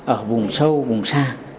ở vùng sâu vùng xa